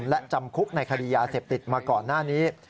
และจำคุกในคดียาเสพติดมาก่อนหน้านี้